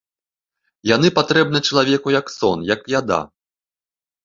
Яны патрэбны чалавеку як сон, як яда.